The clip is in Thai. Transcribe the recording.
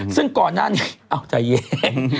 ซึ่งก่อนหน้านี้เอาใจเย็น